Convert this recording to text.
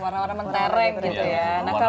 warna warna mentarik gitu ya